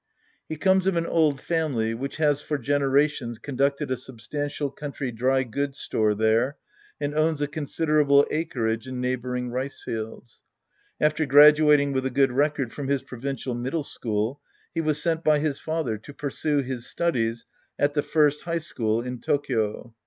He comes of an old family which has for generations conducted a sub stantial country dry goods store there and owns a considerable acreage in neighboring rice fields. After graduating with a good record from his provincial middle school, he was sent by his father to pursue his studies at the First High School in Tokyo.